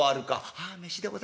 「ああ飯でございますか。